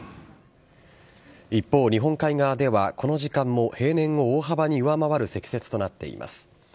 一方、日本海側ではこの時間も平年を大幅に上回る積雪となっています。